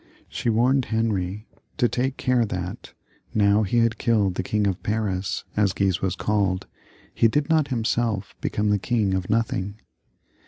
She warned Henry to take care that now he had killed the King of Paris, as Guise was called, he did not himself become the king of nothing.